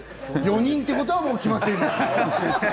４人っていうことは決まっています。